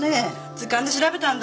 図鑑で調べたんだ